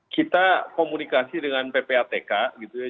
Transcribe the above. kita komunikasi dengan ppatk gitu ya